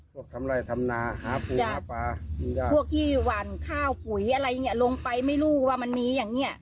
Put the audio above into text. ทำไล่ทำนาหาปลาพวกที่หวั่นข้าวปุ๋ยอะไรเนี่ยลงไปไม่รู้ว่ามันมีอย่างเงี้ย